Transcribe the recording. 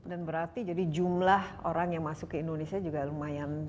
dan berarti jadi jumlah orang yang masuk ke indonesia juga lumayan tinggi ya